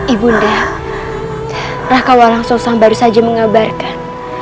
ibu nda raka walang sosang baru saja mengabarkan